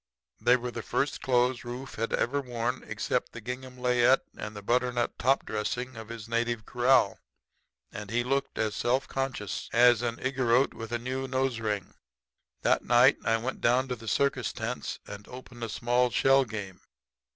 "They were the first clothes Rufe had ever worn except the gingham layette and the butternut top dressing of his native kraal, and he looked as self conscious as an Igorrote with a new nose ring. "That night I went down to the circus tents and opened a small shell game.